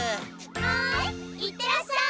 ハイいってらっしゃい！